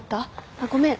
あっごめん。